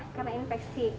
ini karena infeksi